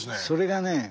それがね